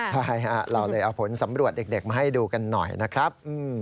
ใช่เราเลยเอาผลสำรวจเด็กมาให้ดูกันหน่อยนะครับ